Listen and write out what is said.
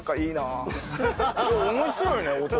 面白いね弟。